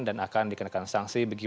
dan akan dikenakan sanksi